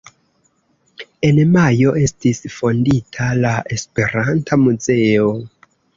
En Majo estis fondita la Esperanta Muzeo.